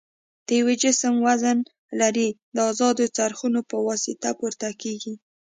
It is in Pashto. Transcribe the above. د یو جسم وزن لري د ازادو څرخونو په واسطه پورته کیږي.